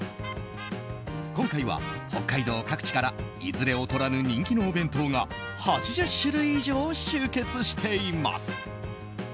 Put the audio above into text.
今回は北海道各地からいずれ劣らぬ人気のお弁当が８０種類以上集結しています。